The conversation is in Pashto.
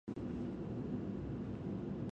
نوې خړوبونه لږه اوبه کاروي.